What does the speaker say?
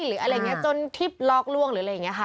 หรืออะไรอย่างนี้จนทิพย์ลอกล่วงหรืออะไรอย่างนี้ค่ะ